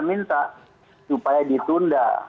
minta supaya ditunda